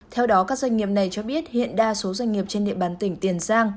theo đó các doanh nghiệp này cho biết hiện đa số doanh nghiệp trên địa bàn tỉnh tiền giang